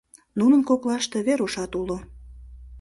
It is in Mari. Нунын коклаште Верушат уло.